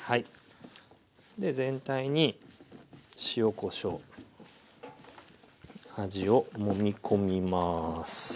全体に塩・こしょう味をもみ込みます。